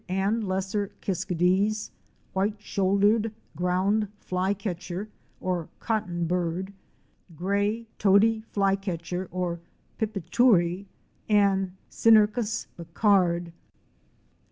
and Lesser ™ Kiskadees, White shouldered Ground Fly catcher or '"Cotton bird," * Gray Tody flycatcher or " Pipitoori" * and Cinereus Becard.